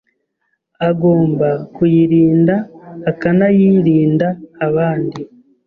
agomba kuyirinda akanayirinda aband